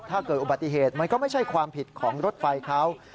ถ้าเกิดอุบัติเหตุมันก็ไม่ใช่ความผิดของรถไฟเขา